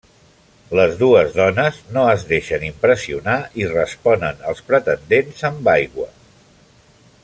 Les dues dones no es deixen impressionar i responen als pretendents amb aigua.